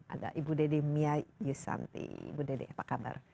ada ibu dede mia yusanti ibu dede apa kabar